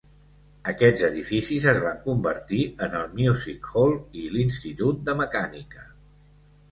Aquests edificis es van convertir en el Music Hall i l'Institut de Mecànica.